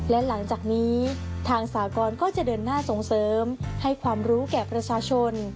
และหลังจากนี้ทางสากรก็จะเดินหน้าส่งเสริมให้ความรู้แก่ประชาชน